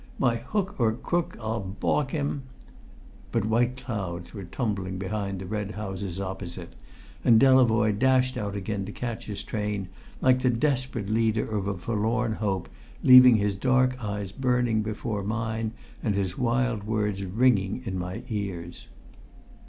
By hook or crook I'll balk him " But white clouds were tumbling behind the red houses opposite, and Delavoye dashed out again to catch his train, like the desperate leader of a forlorn hope, leaving his dark eyes burning before mine and his wild words ringing in my ears.